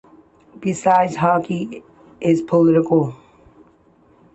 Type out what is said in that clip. Besides, hockey is political.